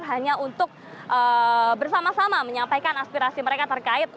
hanya untuk bersama sama menyampaikan aspirasi mereka terkait